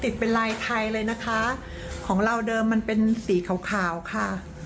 ติดเป็นลายไทยเลยนะคะของเราเดิมมันเป็นสีขาวขาวค่ะ